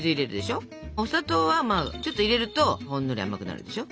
お砂糖はちょっと入れるとほんのり甘くなるでしょ。